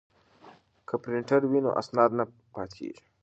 که پرینټر وي نو اسناد نه پاتیږي.